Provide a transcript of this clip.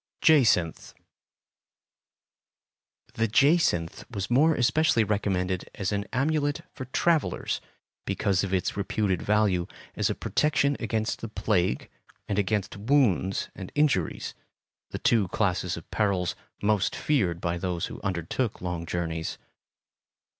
Jacinth The jacinth was more especially recommended as an amulet for travellers, because of its reputed value as a protection against the plague and against wounds and injuries, the two classes of perils most feared by those who undertook long journeys.